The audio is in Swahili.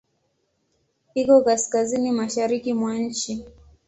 Iko kaskazini-mashariki mwa nchi.